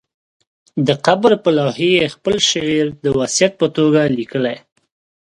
د قبر پر لوحې یې خپل شعر د وصیت په توګه لیکلی.